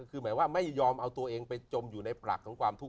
คือหมายว่าไม่ยอมเอาตัวเองไปจมอยู่ในปรักของความทุกข์